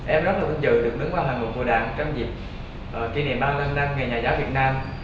em rất là vinh dự được đứng vào hành mục của đảng trong dịp kỷ niệm ba mươi năm năm nghề nhà giáo việt nam